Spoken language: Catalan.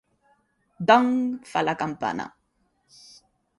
"Dong!" fa la campana